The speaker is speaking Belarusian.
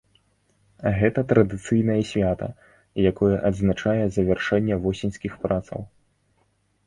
Гэта традыцыйнае свята, якое адзначае завяршэнне восеньскіх працаў.